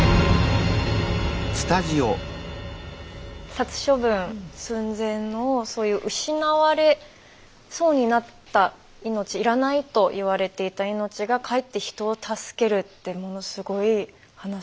殺処分寸前のそういう失われそうになった命要らないと言われていた命がかえって人を助けるってものすごい話。